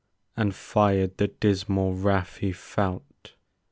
And fired the dismal wrath he felt.